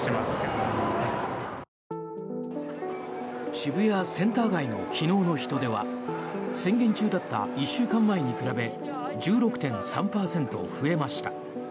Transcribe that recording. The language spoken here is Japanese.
渋谷センター街の昨日の人出は宣言中だった１週間前に比べ１６．３％増えました。